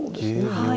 はい。